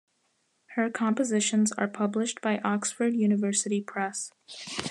Her compositions are published by Oxford University Press.